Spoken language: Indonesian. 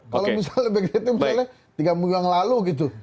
kalau misalnya back datenya misalnya tiga bulan lalu gitu